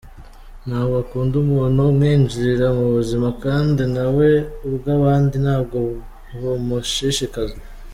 Ntabwo akunda umuntu umwinjirira mu buzima kandi kandi nawe ubw’abandi ntabwo bumushishikaza.